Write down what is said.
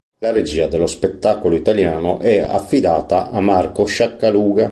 La regia dello spettacolo italiano è affidata a Marco Sciaccaluga.